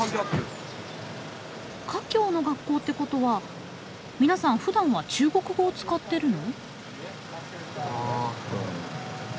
華僑の学校ってことは皆さんふだんは中国語を使ってるの？